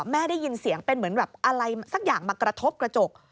ได้ยินเสียงเป็นเหมือนแบบอะไรสักอย่างมากระทบกระจก